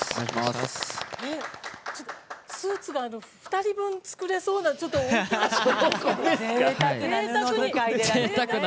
スーツが２人分、作れそうなちょっと、大きな。